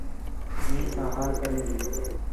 مئے ساں حال کرے ڄے